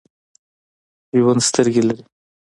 ژوندي سترګې لري